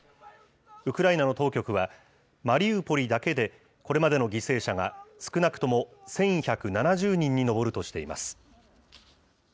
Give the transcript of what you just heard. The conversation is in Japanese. ウクライナの当局は、マリウポリだけでこれまでの犠牲者が少なくとも１１７０人に上るとしています。